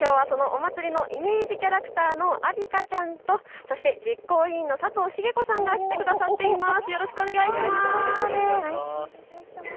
きょうはその祭りのイメージキャラクターのあびかちゃんとそして実行委員の佐藤繁子さんが来てくださっています。